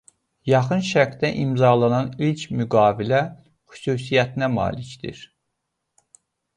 Yaxın Şərqdə imzalanan ilk müqavilə xüsusiyyətinə malikdir.